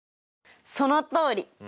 そのとおり！